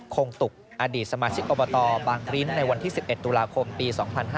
คงตุกอดีตสมาชิกอบตบางริ้นในวันที่๑๑ตุลาคมปี๒๕๕๙